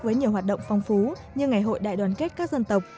với nhiều hoạt động phong phú như ngày hội đại đoàn kết các dân tộc